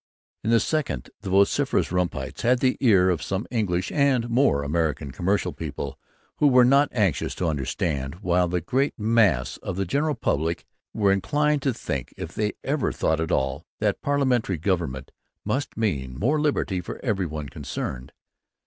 In the second, the vociferous rumpites had the ear of some English and more American commercial people who were not anxious to understand; while the great mass of the general public were inclined to think, if they ever thought at all, that parliamentary government must mean more liberty for every one concerned.